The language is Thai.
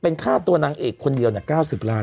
เป็นค่าตัวนางเอกคนเดียว๙๐ล้าน